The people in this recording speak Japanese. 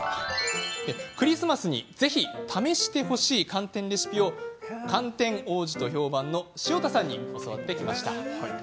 クリスマスにぜひ試してほしい寒天レシピを寒天王子と評判の塩田さんに教わってきました。